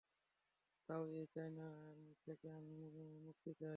তাও এই চায়না থেকে আমি মুক্তি চাই!